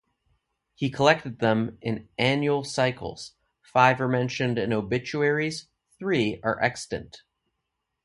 He collected them in annual cycles; five are mentioned in obituaries, three are extant.